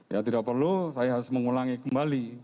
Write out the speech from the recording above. ya tidak perlu saya harus mengulangi kembali